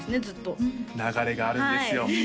ずっと流れがあるんですよ